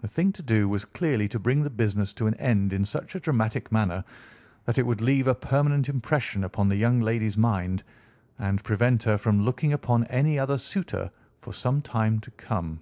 The thing to do was clearly to bring the business to an end in such a dramatic manner that it would leave a permanent impression upon the young lady's mind and prevent her from looking upon any other suitor for some time to come.